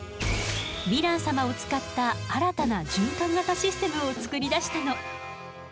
ヴィラン様を使った新たな循環型システムを作り出したの。